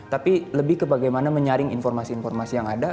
tapi lebih ke bagaimana menyaring informasi informasi yang ada